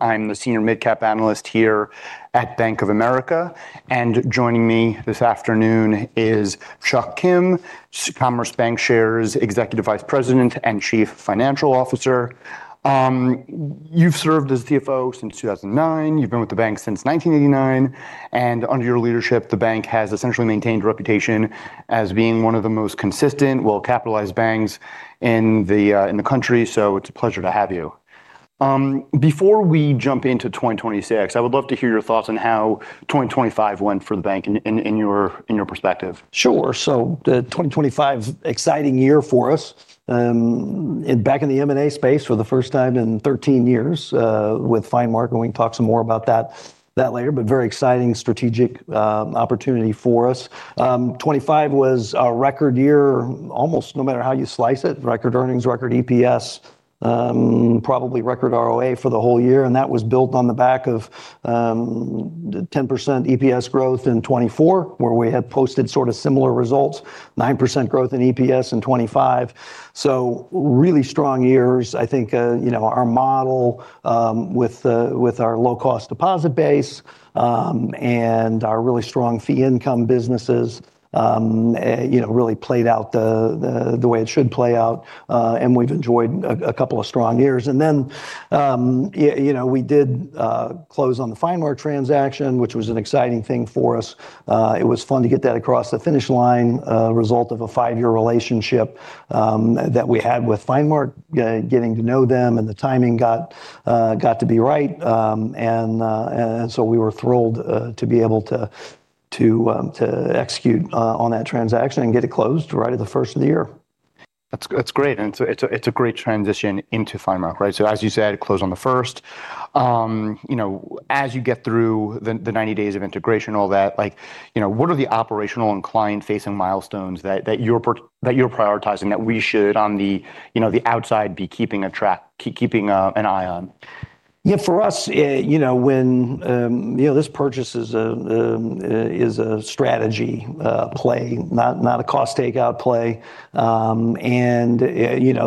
I'm the Senior Mid-Cap Analyst here at Bank of America, and joining me this afternoon is Chuck Kim, Commerce Bancshares Executive Vice President and Chief Financial Officer. You've served as CFO since 2009, you've been with the bank since 1989, and under your leadership the bank has essentially maintained a reputation as being one of the most consistent, well-capitalized banks in the country, so it's a pleasure to have you. Before we jump into 2026, I would love to hear your thoughts on how 2025 went for the bank in your perspective. Sure, so 2025, exciting year for us. Back in the M&A space for the first time in 13 years with FineMark, and we can talk some more about that later, but very exciting strategic opportunity for us. 2025 was a record year, almost no matter how you slice it, record earnings, record EPS, probably record ROA for the whole year, and that was built on the back of 10% EPS growth in 2024, where we had posted sort of similar results, 9% growth in EPS in 2025. So really strong years. I think our model with our low-cost deposit base and our really strong fee-income businesses really played out the way it should play out, and we've enjoyed a couple of strong years. And then we did close on the FineMark transaction, which was an exciting thing for us. It was fun to get that across the finish line, result of a five-year relationship that we had with FineMark, getting to know them, and the timing got to be right, and so we were thrilled to be able to execute on that transaction and get it closed right at the first of the year. That's great, and it's a great transition into FineMark, right? So as you said, close on the first. As you get through the 90 days of integration, all that, what are the operational and client-facing milestones that you're prioritizing that we should, on the outside, be keeping an eye on? Yeah, for us, this purchase is a strategy play, not a cost-takeout play.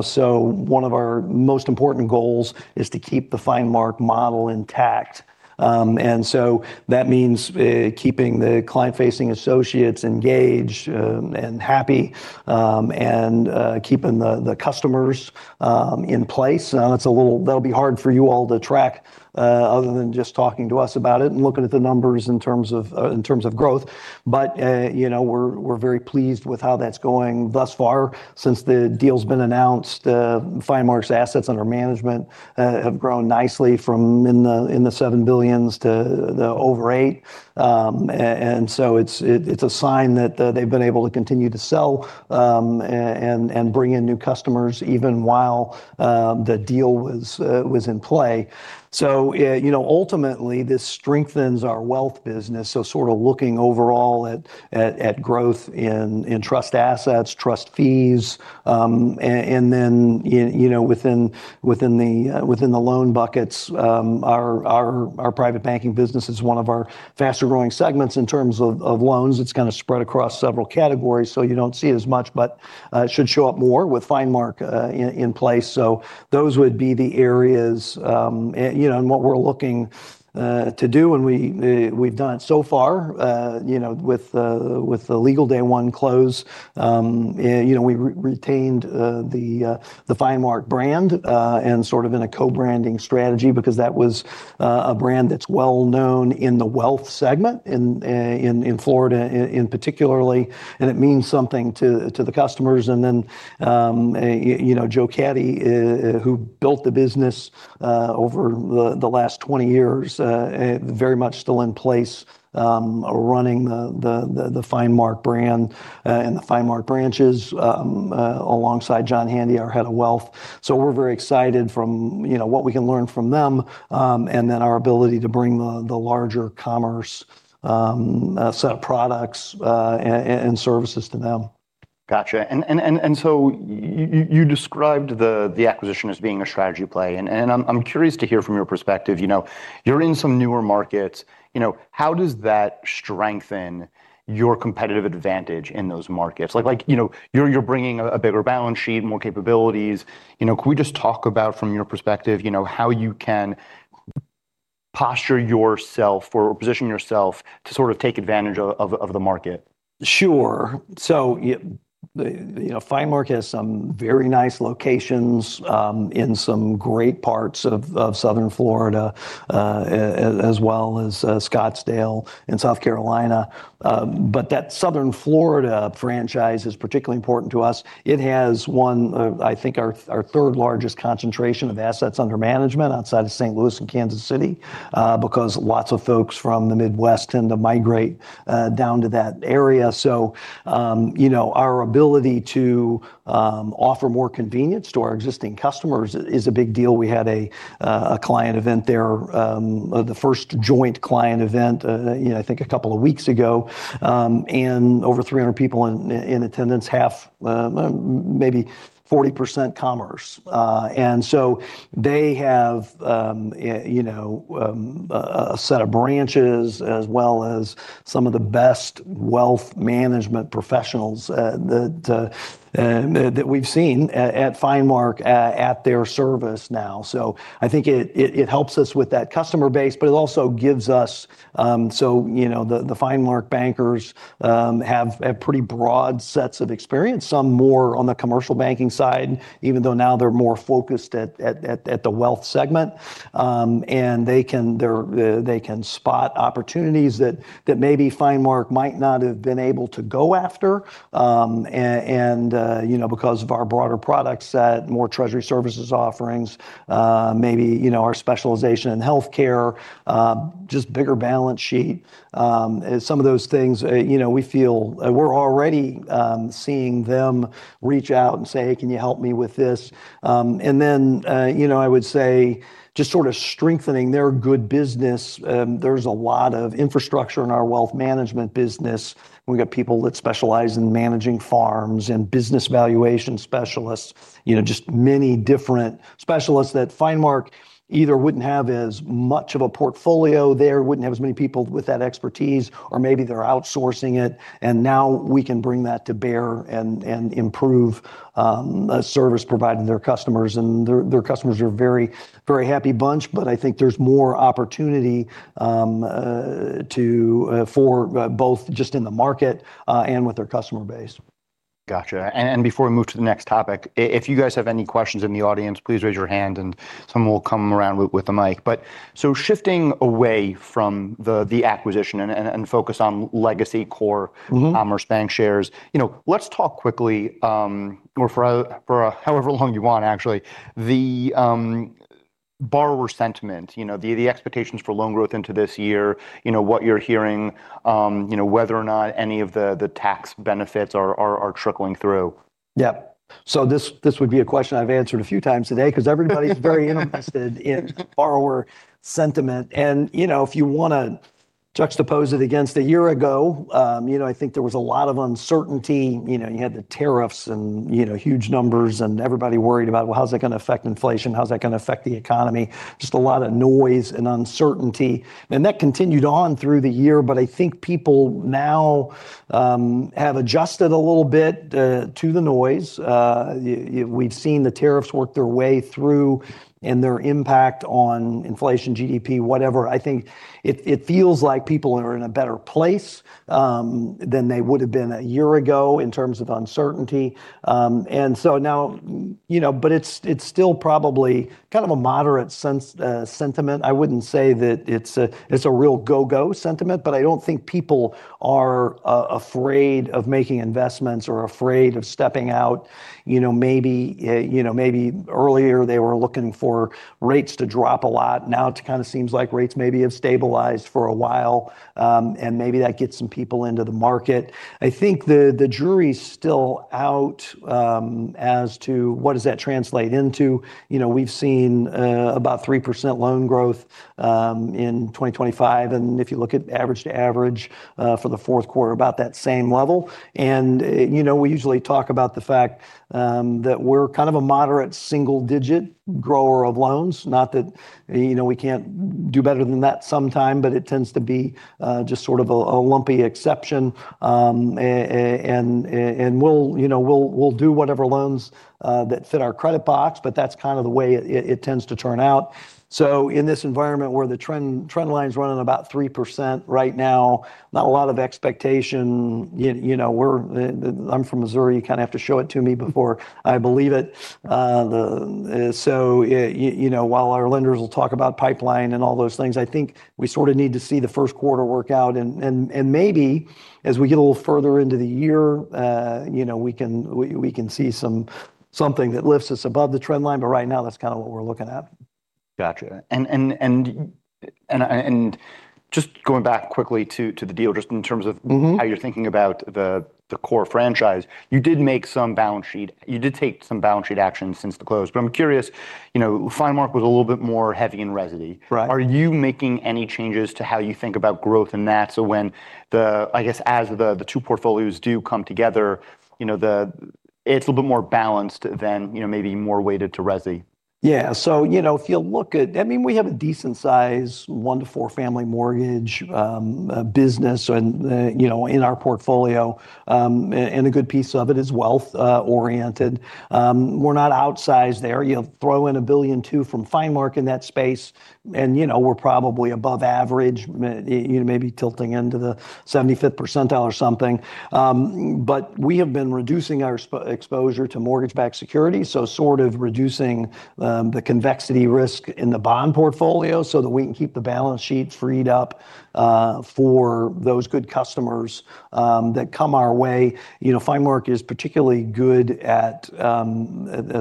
So one of our most important goals is to keep the FineMark model intact, and so that means keeping the client-facing associates engaged and happy, and keeping the customers in place. That'll be hard for you all to track other than just talking to us about it and looking at the numbers in terms of growth, but we're very pleased with how that's going thus far. Since the deal's been announced, FineMark's assets under management have grown nicely from the $7 billion to over $8 billion, and so it's a sign that they've been able to continue to sell and bring in new customers even while the deal was in play. So ultimately, this strengthens our wealth business, so sort of looking overall at growth in trust assets, trust fees, and then within the loan buckets, our private banking business is one of our faster-growing segments in terms of loans. It's kind of spread across several categories, so you don't see it as much, but it should show up more with FineMark in place. So those would be the areas, and what we're looking to do, and we've done it so far, with the legal day-one close, we retained the FineMark brand and sort of in a co-branding strategy because that was a brand that's well-known in the wealth segment, in Florida particularly, and it means something to the customers. And then Joseph Catti, who built the business over the last 20 years, very much still in place running the FineMark brand and the FineMark branches alongside John Handy, our Head of Wealth. So we're very excited from what we can learn from them and then our ability to bring the larger Commerce set of products and services to them. Gotcha, and so you described the acquisition as being a strategy play, and I'm curious to hear from your perspective. You're in some newer markets. How does that strengthen your competitive advantage in those markets? You're bringing a bigger balance sheet, more capabilities. Can we just talk about, from your perspective, how you can posture yourself or position yourself to sort of take advantage of the market? Sure, so FineMark has some very nice locations in some great parts of Southern Florida, as well as Scottsdale and South Carolina, but that Southern Florida franchise is particularly important to us. It has one, I think, our third-largest concentration of assets under management outside of St. Louis and Kansas City because lots of folks from the Midwest tend to migrate down to that area. So our ability to offer more convenience to our existing customers is a big deal. We had a client event there, the first joint client event, I think, a couple of weeks ago, and over 300 people in attendance, half, maybe 40% Commerce. And so they have a set of branches, as well as some of the best wealth management professionals that we've seen at FineMark at their service now. So I think it helps us with that customer base, but it also gives us so the FineMark bankers have pretty broad sets of experience, some more on the commercial banking side, even though now they're more focused at the wealth segment, and they can spot opportunities that maybe FineMark might not have been able to go after because of our broader product set, more treasury services offerings, maybe our specialization in healthcare, just bigger balance sheet, some of those things. We feel we're already seeing them reach out and say, "Hey, can you help me with this?" And then I would say just sort of strengthening their good business. There's a lot of infrastructure in our wealth management business. We've got people that specialize in managing farms and business valuation specialists, just many different specialists that FineMark either wouldn't have as much of a portfolio there, wouldn't have as many people with that expertise, or maybe they're outsourcing it, and now we can bring that to bear and improve service provided to their customers. And their customers are a very, very happy bunch, but I think there's more opportunity for both just in the market and with their customer base. Gotcha, and before we move to the next topic, if you guys have any questions in the audience, please raise your hand and someone will come around with the mic. So shifting away from the acquisition and focus on legacy core Commerce Bancshares, let's talk quickly, or for however long you want, actually, the borrower sentiment, the expectations for loan growth into this year, what you're hearing, whether or not any of the tax benefits are trickling through. Yeah, so this would be a question I've answered a few times today because everybody's very interested in borrower sentiment, and if you want to juxtapose it against a year ago, I think there was a lot of uncertainty. You had the tariffs and huge numbers, and everybody worried about, "Well, how's that going to affect inflation? How's that going to affect the economy?" Just a lot of noise and uncertainty, and that continued on through the year, but I think people now have adjusted a little bit to the noise. We've seen the tariffs work their way through and their impact on inflation, GDP, whatever. I think it feels like people are in a better place than they would have been a year ago in terms of uncertainty, but it's still probably kind of a moderate sentiment. I wouldn't say that it's a real go-go sentiment, but I don't think people are afraid of making investments or afraid of stepping out. Maybe earlier they were looking for rates to drop a lot; now it kind of seems like rates maybe have stabilized for a while, and maybe that gets some people into the market. I think the jury's still out as to what does that translate into. We've seen about 3% loan growth in 2025, and if you look at average to average for the fourth quarter, about that same level. We usually talk about the fact that we're kind of a moderate single-digit grower of loans, not that we can't do better than that sometime, but it tends to be just sort of a lumpy exception, and we'll do whatever loans that fit our credit box, but that's kind of the way it tends to turn out. So in this environment where the trend line's running about 3% right now, not a lot of expectation. I'm from Missouri, you kind of have to show it to me before I believe it. So while our lenders will talk about pipeline and all those things, I think we sort of need to see the first quarter work out, and maybe as we get a little further into the year, we can see something that lifts us above the trend line, but right now that's kind of what we're looking at. Gotcha, and just going back quickly to the deal, just in terms of how you're thinking about the core franchise, you did make some balance sheet. You did take some balance sheet action since the close, but I'm curious, FineMark was a little bit more heavy and resi. Are you making any changes to how you think about growth in that? So I guess as the two portfolios do come together, it's a little bit more balanced than maybe more weighted to resi. Yeah, so if you look at, I mean, we have a decent-sized 1-4 family mortgage business in our portfolio, and a good piece of it is wealth-oriented. We're not outsized there. Throw in $1 billion or $2 billion from FineMark in that space, and we're probably above average, maybe tilting into the 75th percentile or something, but we have been reducing our exposure to mortgage-backed securities, so sort of reducing the convexity risk in the bond portfolio so that we can keep the balance sheet freed up for those good customers that come our way. FineMark is particularly good at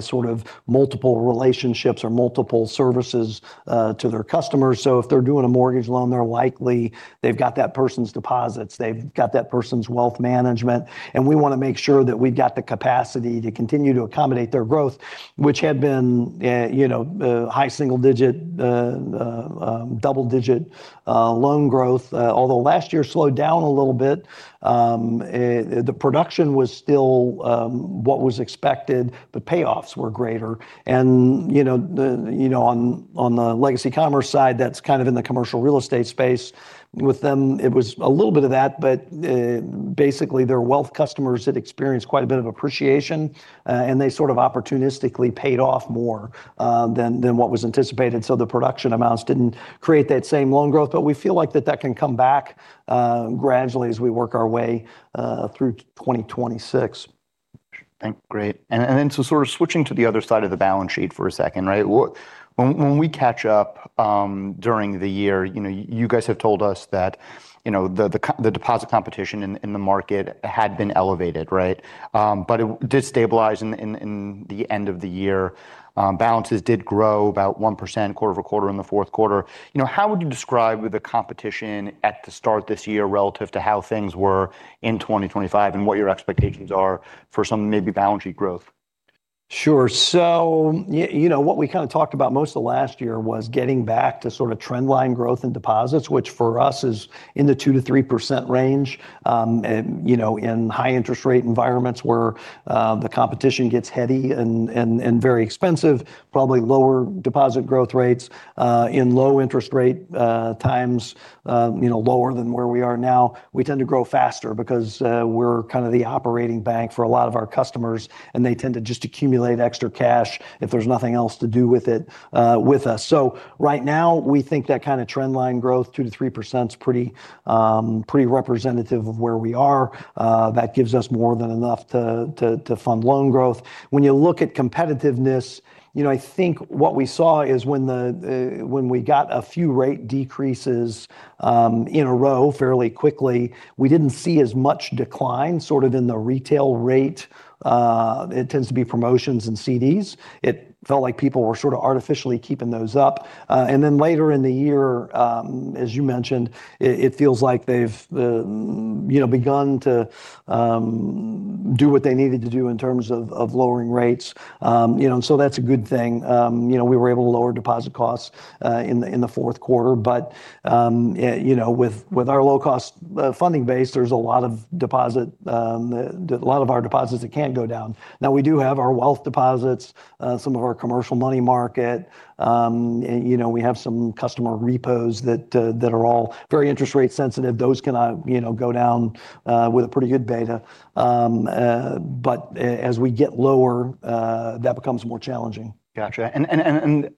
sort of multiple relationships or multiple services to their customers, so if they're doing a mortgage loan, they're likely they've got that person's deposits, they've got that person's wealth management, and we want to make sure that we've got the capacity to continue to accommodate their growth, which had been high single-digit, double-digit loan growth, although last year slowed down a little bit. The production was still what was expected, but payoffs were greater. On the legacy Commerce side, that's kind of in the commercial real estate space. With them, it was a little bit of that, but basically their wealth customers had experienced quite a bit of appreciation, and they sort of opportunistically paid off more than what was anticipated, so the production amounts didn't create that same loan growth, but we feel like that can come back gradually as we work our way through 2026. Great, and then so sort of switching to the other side of the balance sheet for a second, right? When we catch up during the year, you guys have told us that the deposit competition in the market had been elevated, right? But it did stabilize in the end of the year. Balances did grow about 1% quarter-over-quarter in the fourth quarter. How would you describe the competition at the start this year relative to how things were in 2025 and what your expectations are for some maybe balance sheet growth? Sure, so what we kind of talked about most of the last year was getting back to sort of trendline growth in deposits, which for us is in the 2%-3% range. In high-interest-rate environments where the competition gets heavy and very expensive, probably lower deposit growth rates. In low-interest-rate times, lower than where we are now, we tend to grow faster because we're kind of the operating bank for a lot of our customers, and they tend to just accumulate extra cash if there's nothing else to do with it with us. So right now, we think that kind of trendline growth, 2%-3%, is pretty representative of where we are. That gives us more than enough to fund loan growth. When you look at competitiveness, I think what we saw is when we got a few rate decreases in a row fairly quickly, we didn't see as much decline sort of in the retail rate. It tends to be promotions and CDs. It felt like people were sort of artificially keeping those up, and then later in the year, as you mentioned, it feels like they've begun to do what they needed to do in terms of lowering rates, and so that's a good thing. We were able to lower deposit costs in the fourth quarter, but with our low-cost funding base, there's a lot of our deposits that can't go down. Now, we do have our wealth deposits, some of our commercial money market, and we have some customer repos that are all very interest-rate sensitive. Those cannot go down with a pretty good beta, but as we get lower, that becomes more challenging. Gotcha, and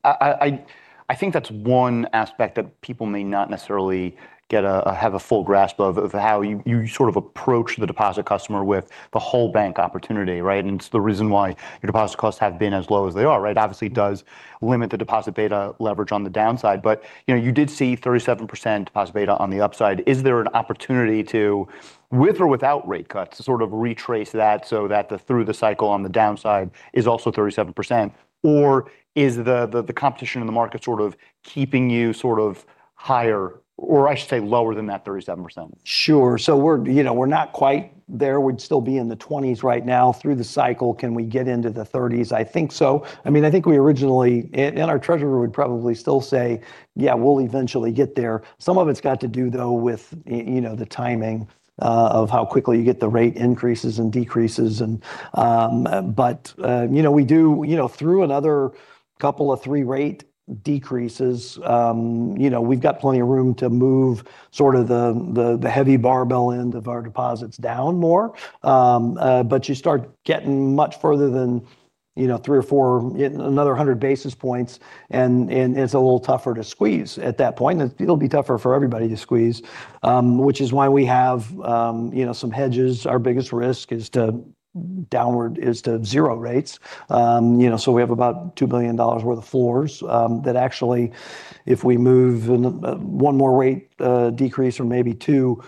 I think that's one aspect that people may not necessarily have a full grasp of, of how you sort of approach the deposit customer with the whole bank opportunity, right? And it's the reason why your deposit costs have been as low as they are, right? Obviously, it does limit the deposit beta leverage on the downside, but you did see 37% deposit beta on the upside. Is there an opportunity to, with or without rate cuts, sort of retrace that so that through the cycle on the downside is also 37%, or is the competition in the market sort of keeping you sort of higher, or I should say lower than that 37%? Sure, so we're not quite there. We'd still be in the 20s right now. Through the cycle, can we get into the 30s? I think so. I mean, I think we originally and our treasurer would probably still say, "Yeah, we'll eventually get there." Some of it's got to do, though, with the timing of how quickly you get the rate increases and decreases, but we do through another couple of three-rate decreases, we've got plenty of room to move sort of the heavy barbell end of our deposits down more, but you start getting much further than three or four another 100 basis points, and it's a little tougher to squeeze at that point. It'll be tougher for everybody to squeeze, which is why we have some hedges. Our biggest risk is to downward is to zero rates, so we have about $2 billion worth of floors that actually, if we move one more rate decrease or maybe two,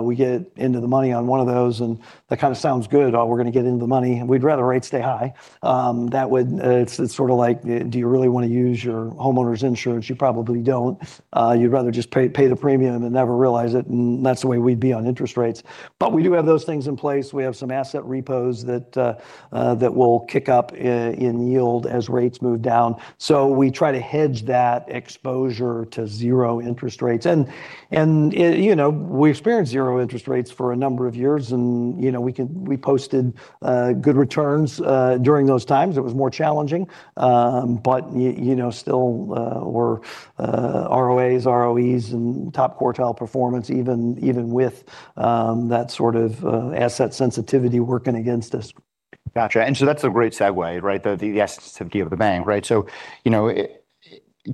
we get into the money on one of those, and that kind of sounds good. Oh, we're going to get into the money, and we'd rather rates stay high. It's sort of like, do you really want to use your homeowner's insurance? You probably don't. You'd rather just pay the premium and never realize it, and that's the way we'd be on interest rates, but we do have those things in place. We have some asset repos that will kick up in yield as rates move down, so we try to hedge that exposure to zero interest rates, and we experienced zero interest rates for a number of years, and we posted good returns during those times. It was more challenging, but still were ROAs, ROEs, and top quartile performance, even with that sort of asset sensitivity working against us. Gotcha, and so that's a great segue, right? The asset sensitivity of the bank, right? So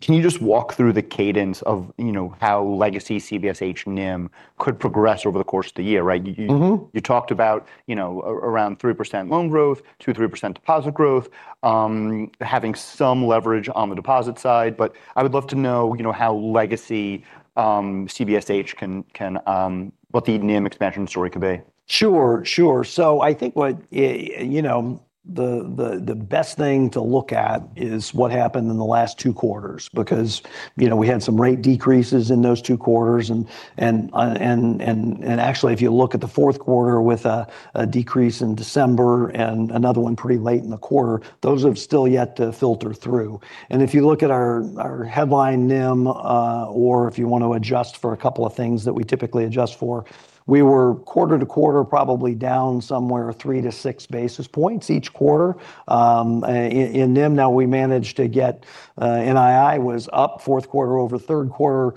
can you just walk through the cadence of how legacy CBSH NIM could progress over the course of the year, right? You talked about around 3% loan growth, 2%-3% deposit growth, having some leverage on the deposit side, but I would love to know how legacy CBSH can what the NIM expansion story could be. Sure, sure, so I think the best thing to look at is what happened in the last two quarters because we had some rate decreases in those two quarters, and actually, if you look at the fourth quarter with a decrease in December and another one pretty late in the quarter, those have still yet to filter through. And if you look at our headline NIM, or if you want to adjust for a couple of things that we typically adjust for, we were quarter to quarter probably down somewhere 3-6 basis points each quarter in NIM. Now we managed to get NII was up fourth quarter over third quarter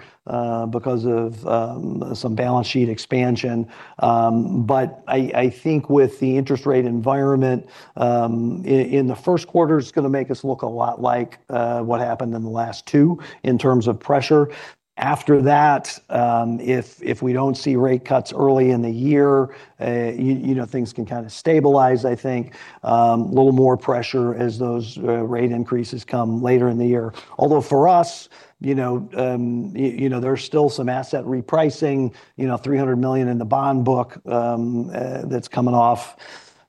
because of some balance sheet expansion, but I think with the interest rate environment in the first quarter, it's going to make us look a lot like what happened in the last two in terms of pressure. After that, if we don't see rate cuts early in the year, things can kind of stabilize, I think. A little more pressure as those rate increases come later in the year, although for us, there's still some asset repricing, $300 million in the bond book that's coming off.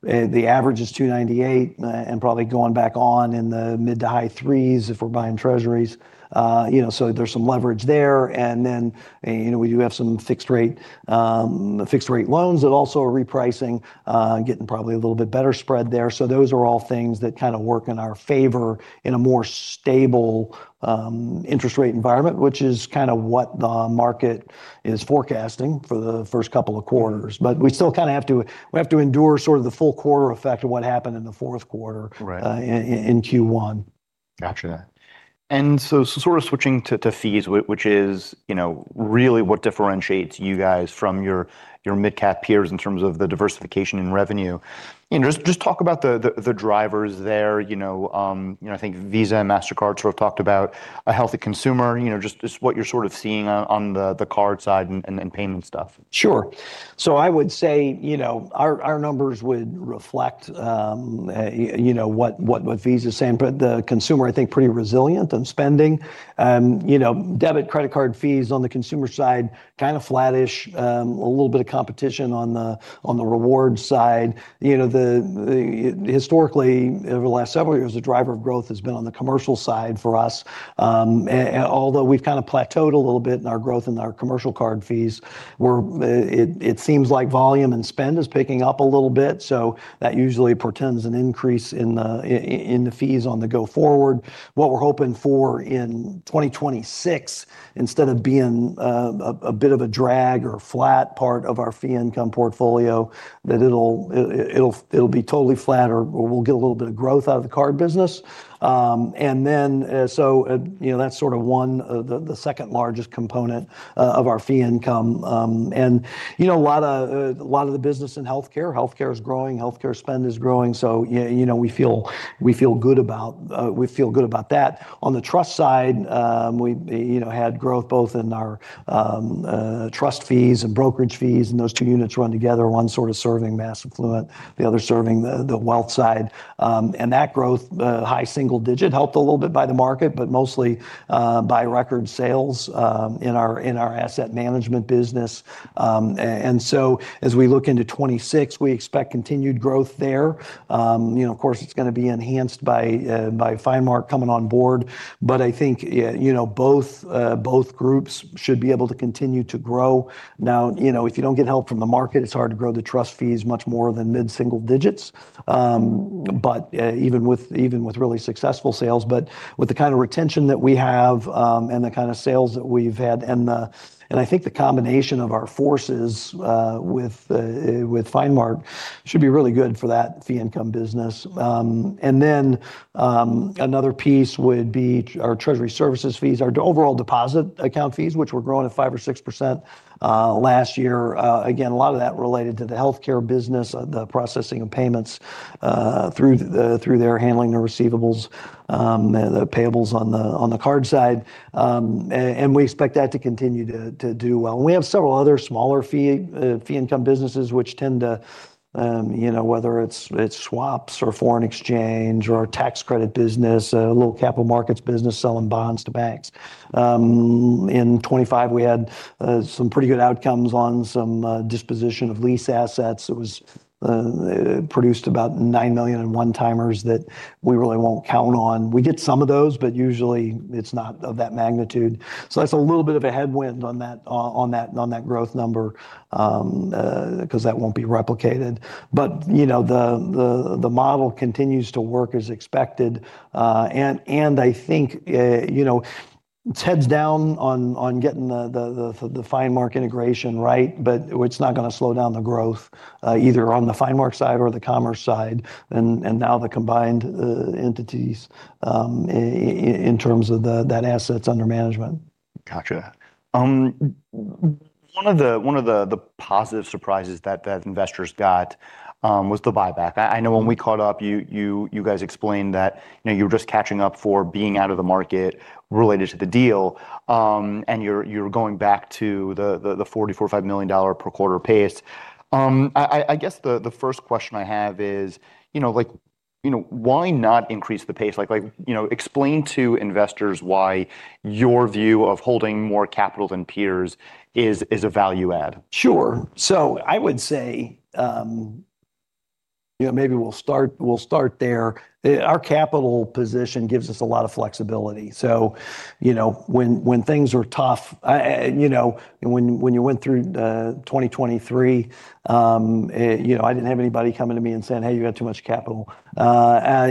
The average is $298 and probably going back on in the mid to high threes if we're buying Treasuries, so there's some leverage there, and then we do have some fixed-rate loans that also are repricing, getting probably a little bit better spread there, so those are all things that kind of work in our favor in a more stable interest rate environment, which is kind of what the market is forecasting for the first couple of quarters, but we still kind of have to endure sort of the full quarter effect of what happened in the fourth quarter in Q1. Gotcha, and so sort of switching to fees, which is really what differentiates you guys from your mid-cap peers in terms of the diversification in revenue, just talk about the drivers there. I think Visa, Mastercard sort of talked about. A healthy consumer, just what you're sort of seeing on the card side and payment stuff. Sure, so I would say our numbers would reflect what Visa's saying, but the consumer, I think, pretty resilient in spending. Debit and credit card fees on the consumer side kind of flattish, a little bit of competition on the reward side. Historically, over the last several years, the driver of growth has been on the commercial side for us, although we've kind of plateaued a little bit in our growth in our commercial card fees. It seems like volume and spend is picking up a little bit, so that usually portends an increase in the fees on the go forward. What we're hoping for in 2026, instead of being a bit of a drag or flat part of our fee income portfolio, that it'll be totally flat or we'll get a little bit of growth out of the card business, and then so that's sort of one, the second largest component of our fee income, and a lot of the business in healthcare. Healthcare is growing, healthcare spend is growing, so we feel good about that. On the trust side, we had growth both in our trust fees and brokerage fees, and those two units run together, one sort of serving mass affluent, the other serving the wealth side, and that growth, high single-digit, helped a little bit by the market, but mostly by record sales in our asset management business, and so as we look into 2026, we expect continued growth there. Of course, it's going to be enhanced by FineMark coming on board, but I think both groups should be able to continue to grow. Now, if you don't get help from the market, it's hard to grow the trust fees much more than mid-single digits, even with really successful sales, but with the kind of retention that we have and the kind of sales that we've had, and I think the combination of our forces with FineMark should be really good for that fee income business, and then another piece would be our treasury services fees, our overall deposit account fees, which were growing at 5%-6% last year. Again, a lot of that related to the healthcare business, the processing of payments through their handling of receivables, the payables on the card side, and we expect that to continue to do well. We have several other smaller fee income businesses, which tend to, whether it's swaps or foreign exchange or our tax credit business, a little capital markets business selling bonds to banks. In 2025, we had some pretty good outcomes on some disposition of lease assets. It was produced about $9 million in one-timers that we really won't count on. We get some of those, but usually, it's not of that magnitude, so that's a little bit of a headwind on that growth number because that won't be replicated, but the model continues to work as expected, and I think it's heads down on getting the FineMark integration, right? But it's not going to slow down the growth either on the FineMark side or the commerce side, and now the combined entities in terms of that assets under management. Gotcha, one of the positive surprises that investors got was the buyback. I know when we caught up, you guys explained that you were just catching up for being out of the market related to the deal, and you're going back to the $40 million-$45 million per quarter pace. I guess the first question I have is, why not increase the pace? Explain to investors why your view of holding more capital than peers is a value add. Sure, so I would say maybe we'll start there. Our capital position gives us a lot of flexibility, so when things were tough, when you went through 2023, I didn't have anybody coming to me and saying, "Hey, you got too much capital." So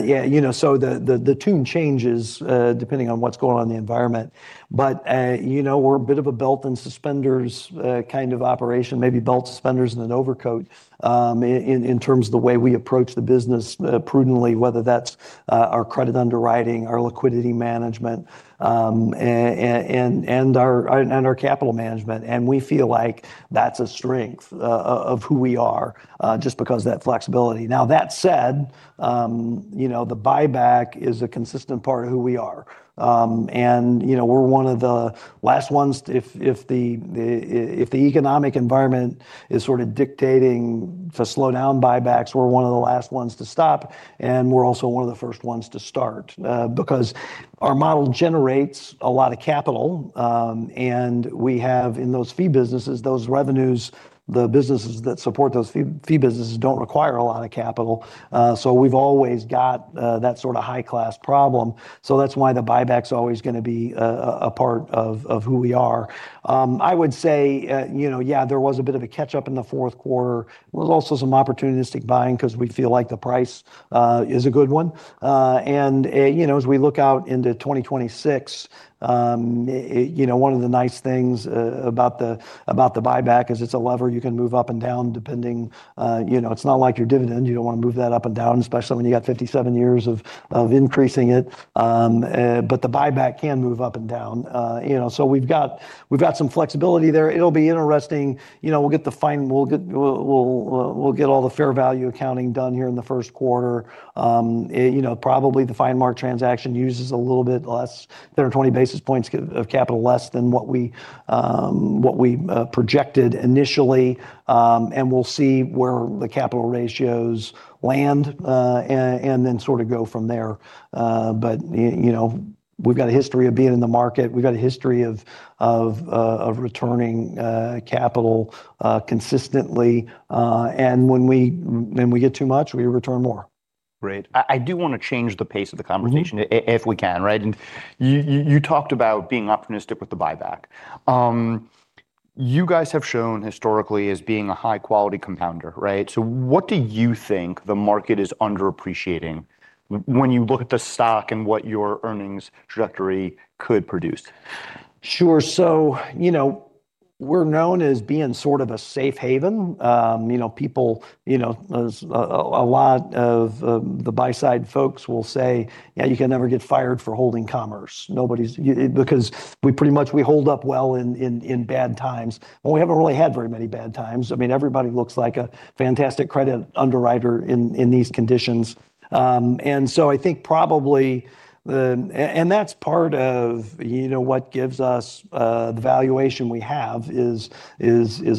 the tune changes depending on what's going on in the environment, but we're a bit of a belt and suspenders kind of operation, maybe belt suspenders and an overcoat in terms of the way we approach the business prudently, whether that's our credit underwriting, our liquidity management, and our capital management, and we feel like that's a strength of who we are just because of that flexibility. Now, that said, the buyback is a consistent part of who we are, and we're one of the last ones. If the economic environment is sort of dictating to slow down buybacks, we're one of the last ones to stop, and we're also one of the first ones to start because our model generates a lot of capital, and we have, in those fee businesses, those revenues, the businesses that support those fee businesses don't require a lot of capital, so we've always got that sort of high-class problem, so that's why the buyback's always going to be a part of who we are. I would say, yeah, there was a bit of a catch-up in the fourth quarter. There was also some opportunistic buying because we feel like the price is a good one, and as we look out into 2026, one of the nice things about the buyback is it's a lever. You can move up and down depending. It's not like your dividend. You don't want to move that up and down, especially when you got 57 years of increasing it, but the buyback can move up and down, so we've got some flexibility there. It'll be interesting. We'll get all the fair value accounting done here in the first quarter. Probably, the FineMark transaction uses a little bit less, 10 or 20 basis points of capital less than what we projected initially, and we'll see where the capital ratios land and then sort of go from there, but we've got a history of being in the market. We've got a history of returning capital consistently, and when we get too much, we return more. Great, I do want to change the pace of the conversation if we can, right? You talked about being optimistic with the buyback. You guys have shown historically as being a high-quality compounder, right? So what do you think the market is underappreciating when you look at the stock and what your earnings trajectory could produce? Sure, so we're known as being sort of a safe haven. People, a lot of the buy-side folks will say, "Yeah, you can never get fired for holding Commerce," because pretty much, we hold up well in bad times, and we haven't really had very many bad times. I mean, everybody looks like a fantastic credit underwriter in these conditions, and so I think probably, and that's part of what gives us the valuation we have is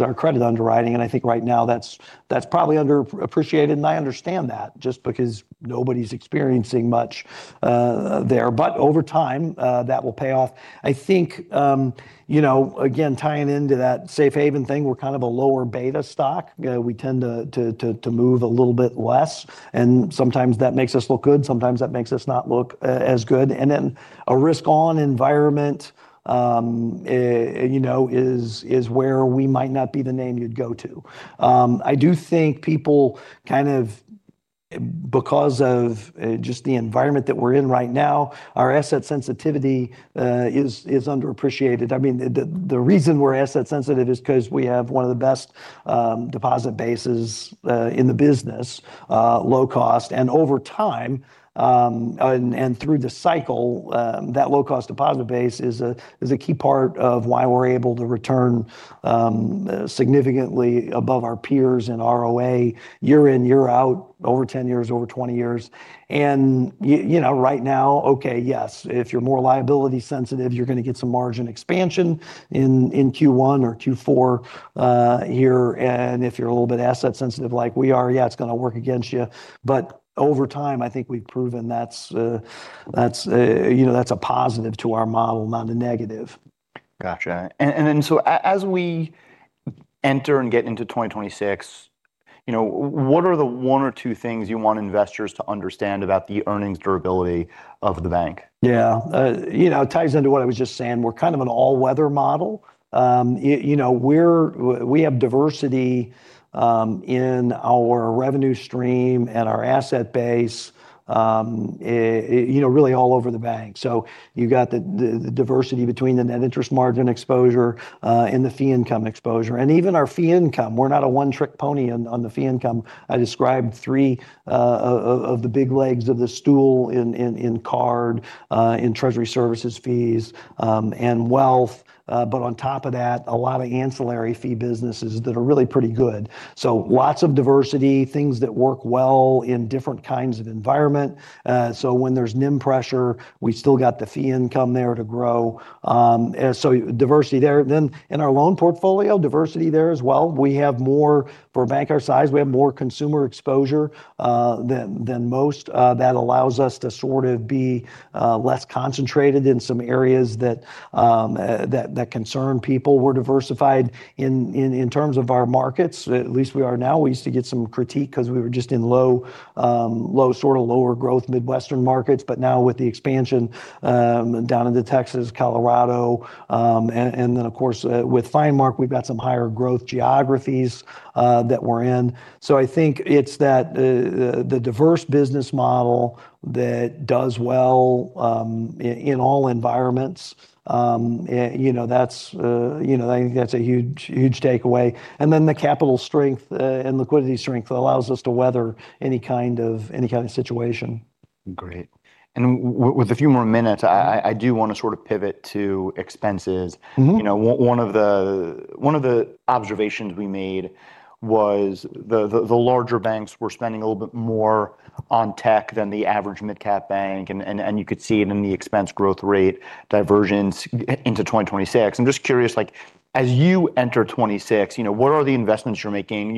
our credit underwriting, and I think right now, that's probably underappreciated, and I understand that just because nobody's experiencing much there, but over time, that will pay off. I think, again, tying into that safe haven thing, we're kind of a lower beta stock. We tend to move a little bit less, and sometimes, that makes us look good. Sometimes, that makes us not look as good, and then a risk-on environment is where we might not be the name you'd go to. I do think people kind of, because of just the environment that we're in right now, our asset sensitivity is underappreciated. I mean, the reason we're asset sensitive is because we have one of the best deposit bases in the business, low-cost, and over time, and through the cycle, that low-cost deposit base is a key part of why we're able to return significantly above our peers in ROA, year in, year out, over 10 years, over 20 years, and right now, okay, yes, if you're more liability sensitive, you're going to get some margin expansion in Q1 or Q4 here, and if you're a little bit asset sensitive like we are, yeah, it's going to work against you, but over time, I think we've proven that's a positive to our model, not a negative. Gotcha, and then so as we enter and get into 2026, what are the one or two things you want investors to understand about the earnings durability of the bank? Yeah, it ties into what I was just saying. We're kind of an all-weather model. We have diversity in our revenue stream and our asset base, really all over the bank, so you've got the diversity between the net interest margin exposure and the fee income exposure, and even our fee income. We're not a one-trick pony on the fee income. I described three of the big legs of the stool in card, in treasury services fees, and wealth, but on top of that, a lot of ancillary fee businesses that are really pretty good, so lots of diversity, things that work well in different kinds of environment, so when there's NIM pressure, we still got the fee income there to grow, so diversity there. Then in our loan portfolio, diversity there as well. We have more, for a bank our size, we have more consumer exposure than most. That allows us to sort of be less concentrated in some areas that concern people. We're diversified in terms of our markets, at least we are now. We used to get some critique because we were just in low, sort of lower-growth Midwestern markets, but now, with the expansion down into Texas, Colorado, and then, of course, with FineMark, we've got some higher-growth geographies that we're in. So I think it's that the diverse business model that does well in all environments. I think that's a huge, huge takeaway, and then the capital strength and liquidity strength that allows us to weather any kind of situation. Great, and with a few more minutes, I do want to sort of pivot to expenses. One of the observations we made was the larger banks were spending a little bit more on tech than the average mid-cap bank, and you could see it in the expense growth rate divergence into 2026. I'm just curious, as you enter 2026, what are the investments you're making?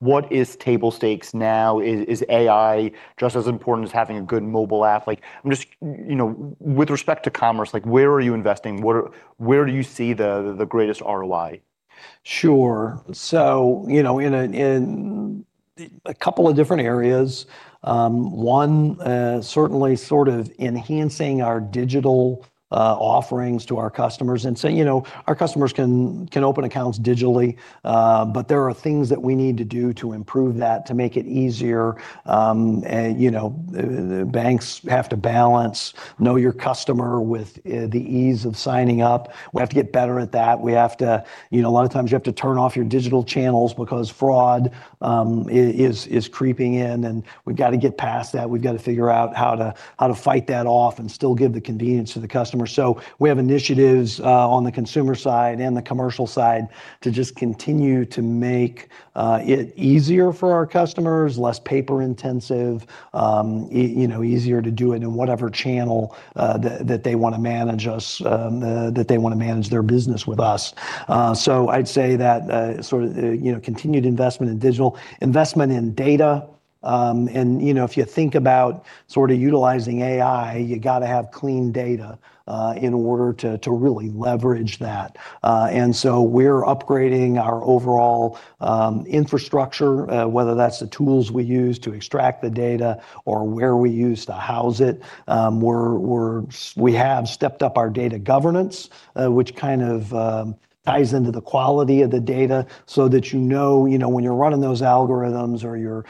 What is table stakes now? Is AI just as important as having a good mobile app? I'm just, with respect to commerce, where are you investing? Where do you see the greatest ROI? Sure, so in a couple of different areas, one, certainly, sort of enhancing our digital offerings to our customers and saying, our customers can open accounts digitally, but there are things that we need to do to improve that, to make it easier. Banks have to balance Know Your Customer with the ease of signing up. We have to get better at that. A lot of times, you have to turn off your digital channels because fraud is creeping in, and we've got to get past that. We've got to figure out how to fight that off and still give the convenience to the customer, so we have initiatives on the consumer side and the commercial side to just continue to make it easier for our customers, less paper-intensive, easier to do it in whatever channel that they want to manage us, that they want to manage their business with us. So I'd say that sort of continued investment in digital, investment in data, and if you think about sort of utilizing AI, you've got to have clean data in order to really leverage that. And so we're upgrading our overall infrastructure, whether that's the tools we use to extract the data or where we use to house it. We have stepped up our data governance, which kind of ties into the quality of the data so that you know when you're running those algorithms or you're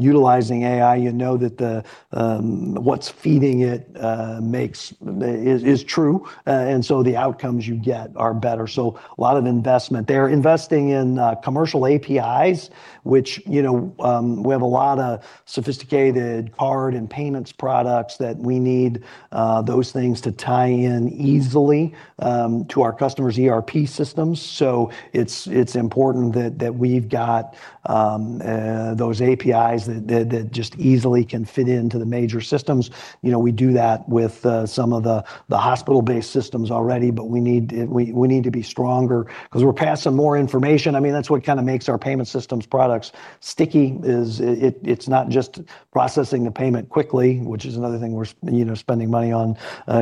utilizing AI, you know that what's feeding it is true, and so the outcomes you get are better, so a lot of investment there. Investing in commercial APIs, which we have a lot of sophisticated card and payments products that we need, those things to tie in easily to our customers' ERP systems, so it's important that we've got those APIs that just easily can fit into the major systems. We do that with some of the hospital-based systems already, but we need to be stronger because we're passing more information. I mean, that's what kind of makes our payment systems products sticky. It's not just processing the payment quickly, which is another thing we're spending money on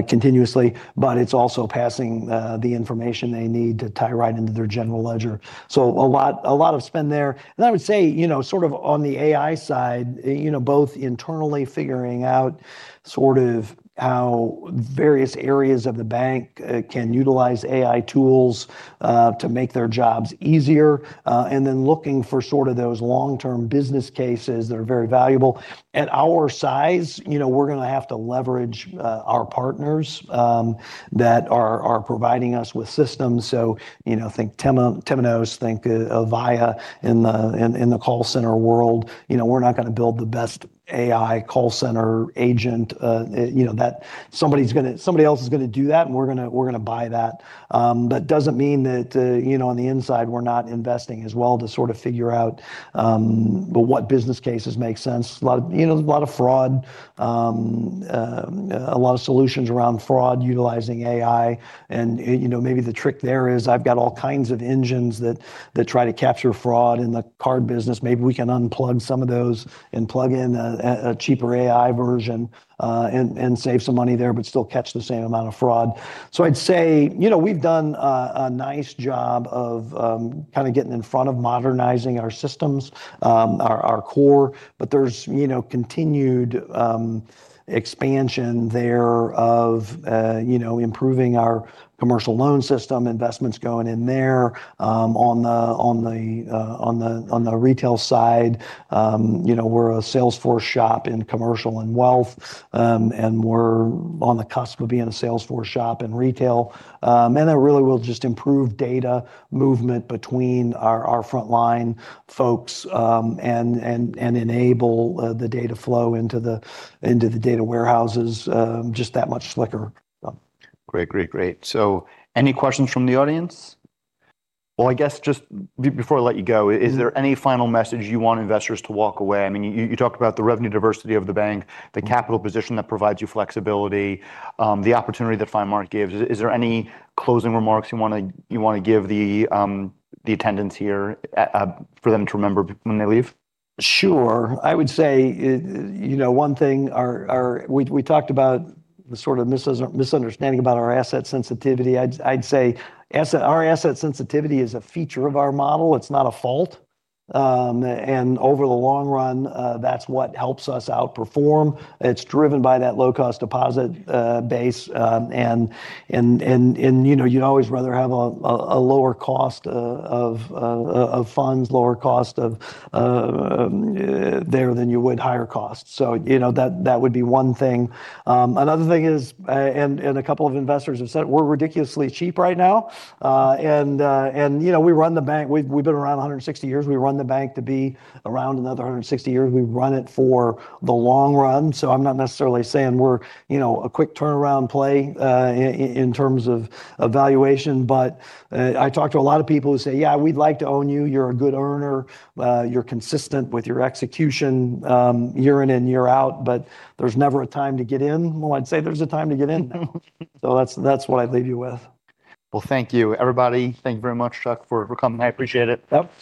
continuously, but it's also passing the information they need to tie right into their general ledger, so a lot of spend there, and I would say, sort of on the AI side, both internally figuring out sort of how various areas of the bank can utilize AI tools to make their jobs easier, and then looking for sort of those long-term business cases that are very valuable. At our size, we're going to have to leverage our partners that are providing us with systems, so think Temenos, think Avaya in the call center world. We're not going to build the best AI call center agent that somebody else is going to do that, and we're going to buy that, but it doesn't mean that on the inside, we're not investing as well to sort of figure out what business cases make sense. A lot of fraud, a lot of solutions around fraud utilizing AI, and maybe the trick there is I've got all kinds of engines that try to capture fraud in the card business. Maybe we can unplug some of those and plug in a cheaper AI version and save some money there, but still catch the same amount of fraud, so I'd say we've done a nice job of kind of getting in front of modernizing our systems, our core, but there's continued expansion there of improving our commercial loan system, investments going in there. On the retail side, we're a Salesforce shop in commercial and wealth, and we're on the cusp of being a Salesforce shop in retail, and that really will just improve data movement between our frontline folks and enable the data flow into the data warehouses just that much slicker. Great, great, great, so any questions from the audience? Well, I guess, just before I let you go, is there any final message you want investors to walk away? I mean, you talked about the revenue diversity of the bank, the capital position that provides you flexibility, the opportunity that FineMark gives. Is there any closing remarks you want to give the audience here for them to remember when they leave? Sure, I would say one thing, we talked about the sort of misunderstanding about our asset sensitivity. I'd say our asset sensitivity is a feature of our model. It's not a fault, and over the long run, that's what helps us outperform. It's driven by that low-cost deposit base, and you'd always rather have a lower cost of funds, lower cost there than you would higher costs, so that would be one thing. Another thing is, and a couple of investors have said, we're ridiculously cheap right now, and we run the bank. We've been around 160 years. We run the bank to be around another 160 years. We run it for the long run, so I'm not necessarily saying we're a quick turnaround play in terms of valuation, but I talk to a lot of people who say, "Yeah, we'd like to own you. You're a good earner. You're consistent with your execution year in and year out, but there's never a time to get in." Well, I'd say there's a time to get in now, so that's what I'd leave you with. Well, thank you, everybody. Thank you very much, Chuck, for coming. I appreciate it. All.